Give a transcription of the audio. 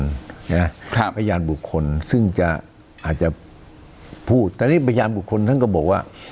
พยานบุคคลซึ่งจะอาจจะพูดแต่นี่พยานบุคคลท่านก็บอกว่า